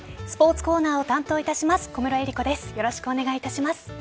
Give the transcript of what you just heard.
スポーツコーナーを担当いたします